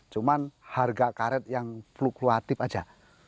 cuman harga karet yang flukluatif aja